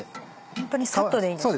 ホントにサッとでいいんですね。